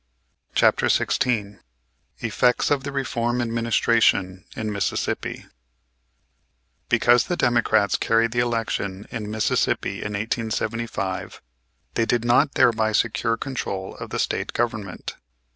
CHAPTER XVI EFFECTS OF THE REFORM ADMINISTRATION IN MISSISSIPPI Because the Democrats carried the election in Mississippi in 1875, they did not thereby secure control of the State Government.